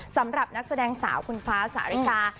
สำหรับนักแสดงสาวคุณฟ้าสาริกา